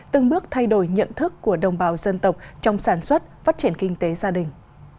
từng bước thay đổi nhận thức của đồng bào dân tộc trong sản xuất phát triển kinh tế gia đình